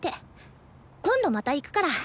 今度また行くから。